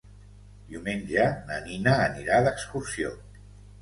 Diumenge na Nina anirà d'excursió.